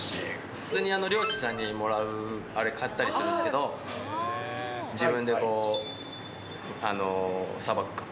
普通に漁師さんにもらうあれ、買ったりするんですけど、自分でさばく。